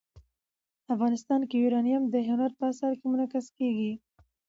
افغانستان کې یورانیم د هنر په اثار کې منعکس کېږي.